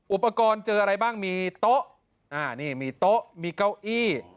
อุปกรณ์เจออะไรบ้างมีโต๊ะอ่านี่มีโต๊ะมีเก้าอี้